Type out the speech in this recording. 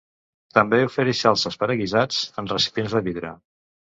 També ofereix salses per a guisats en recipients de vidre.